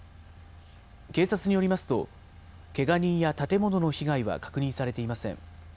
警察によりますと、けが人や建物の被害は確認されていません。